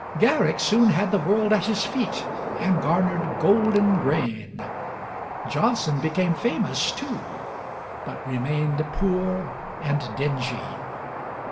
Garrick soon had the world at his feet and garnered golden grain. Johnson became famous too, but remained poor and dingy.